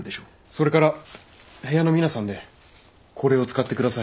それから部屋の皆さんでこれを使って下さい。